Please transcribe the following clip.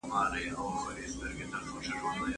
قانون باید د ټولو لپاره یو شان وي.